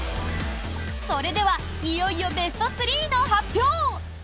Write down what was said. それでは、いよいよベスト３の発表！